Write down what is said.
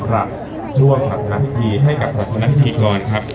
รับช่วงสัตว์นักภีร์ให้กับสัตว์นักภีร์กรครับ